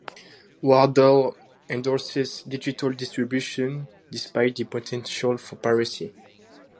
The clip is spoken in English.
Wardell endorses digital distribution, despite the potential for piracy.